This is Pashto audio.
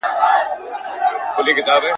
دا هغه بېړۍ ډوبیږي چي مي نکل وو لیکلی !.